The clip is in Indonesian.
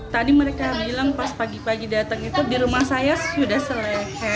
tadi mereka bilang pas pagi pagi datang itu di rumah saya sudah selek